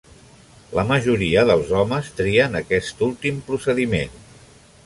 La majoria dels homes trien aquest últim procediment.